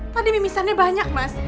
tadi mimisannya banyak mas